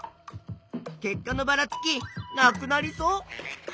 結果のばらつきなくなりそう？